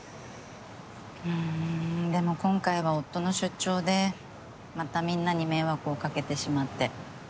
うんでも今回は夫の出張でまたみんなに迷惑をかけてしまって。